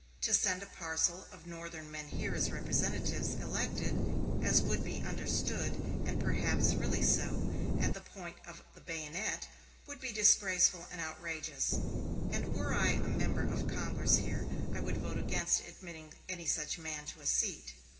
To send a parcel of Northern men here as representatives, elected, as would be understood (and perhaps really so), at the point of the bayonet, would be disgraceful and outrageous; and were I a member of Congress here, I would vote against admitting any such man to a seat."